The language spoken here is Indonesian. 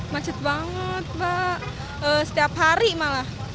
macet banget pak setiap hari malah